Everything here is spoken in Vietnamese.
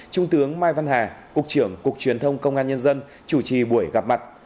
trung tướng mai văn hà cục trưởng cục truyền thông công an nhân dân chủ trì buổi gặp mặt